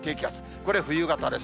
これ、冬型です。